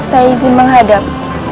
saya izin menghadap